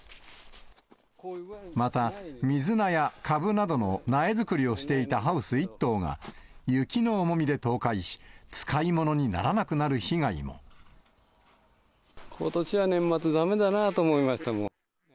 また、水菜やカブなどの苗作りをしていたハウス１棟が、雪の重みで倒壊し、ことしは年末、だめだなと思いました、もう。